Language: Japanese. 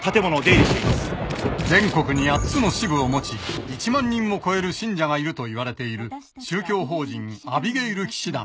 全国に８つの支部を持ち１万人を超える信者がいるといわれている宗教法人アビゲイル騎士団。